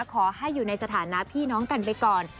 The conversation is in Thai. ขอให้อยู่ในสถานะพี่น้องกันไปก่อน